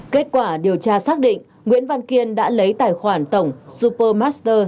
kết quả điều tra xác định nguyễn văn kiên đã lấy tài khoản tổng supermaster